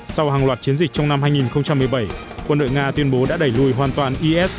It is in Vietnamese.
sau hàng loạt chiến dịch trong năm hai nghìn một mươi bảy quân đội nga tuyên bố đã đẩy lùi hoàn toàn is